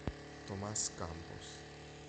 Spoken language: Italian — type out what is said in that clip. Tomás Campos